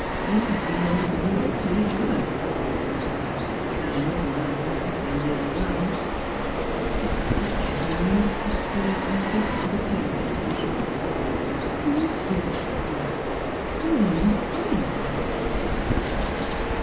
"We have been all the world to each other ; and now that the sands in my glass are nearly run '' Sir Everard,' exclained Frances, with a pained expression, ' how can you talk like that ? You are in the prime of life.'